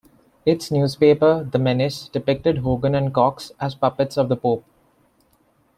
Its newspaper, "The Menace", depicted Hogan and Cox as puppets of the pope.